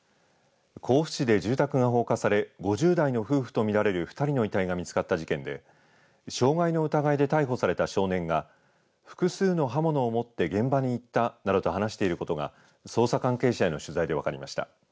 甲府市で住宅が放火され５０代の夫婦とみられる２人の遺体が見つかった事件で傷害の疑いで逮捕された少年が複数の刃物を持って現場に行ったなどと話していることが捜査関係者への取材で分かりました。